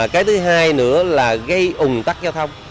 cái thứ hai nữa là gây ủng tắc giao thông